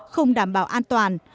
không đảm bảo an toàn